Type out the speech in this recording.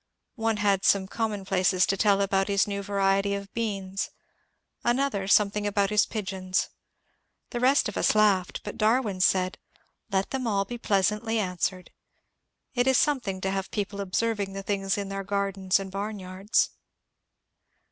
One had some common places to tell about his new variety of beans, another some thing about his pigeons. The rest of us laughed, but Darwin said, ^* Let them all be pleasantly answered. It is something to have people observing the things in their gardens and barnyards."